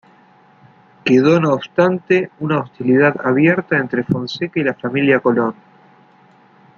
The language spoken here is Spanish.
Quedó no obstante una hostilidad abierta entre Fonseca y la familia Colón.